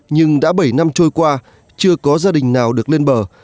nhưng đã bảy năm trôi qua chưa có gia đình nào được lên bờ